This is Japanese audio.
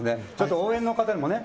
応援の方にもね。